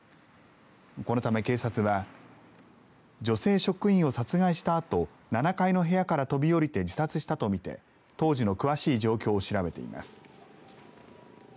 このため、警察は女性職員を殺害したあと７階の部屋から飛びおりて自殺したと見て当時の詳しい状況を調べています。